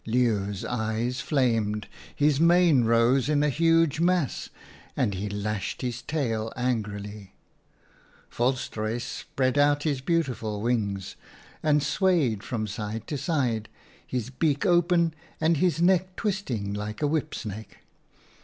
" Leeuw's eyes flamed, his mane rose in a huge mass and he lashed his tail angrily. Volstruis spread out his beautiful wings and swayed from side to side, his beak open and his neck twisting like a whip snake.